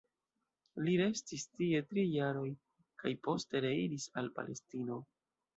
Li restis tie tri jaroj, kaj poste reiris al Palestino.